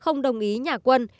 không đồng ý nhả quân